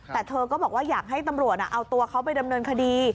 แต่เธอก็บอกว่าอยากให้ตำรวจเอาตัวเขาไปดำเนินคดี